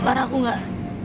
baru aku gak